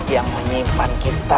yang menyimpan kita